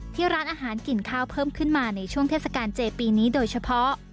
ที่ร้านอาหารกินข้าวเพิ่มขึ้นมาในช่วงเทศกาลเจปีนี้โดยเฉพาะ